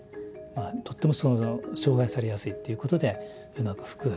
とっても障害されやすいっていうことでうまく服が着れなくなる。